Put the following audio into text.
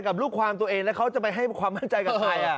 ลูกความตัวเองแล้วเขาจะไปให้ความมั่นใจกับใคร